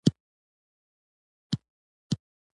غوماشې له ځینو بویونو سره جذبېږي.